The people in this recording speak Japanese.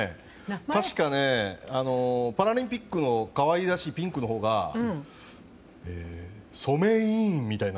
確かね、パラリンピックの可愛らしいピンクのほうがソメイーンみたいな。